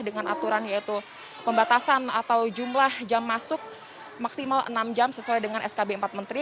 dengan aturan yaitu pembatasan atau jumlah jam masuk maksimal enam jam sesuai dengan skb empat menteri